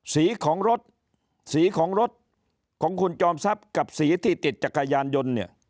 สีของรถของคุณจอมทรัพย์กับสีที่ติดจากขยานยนต์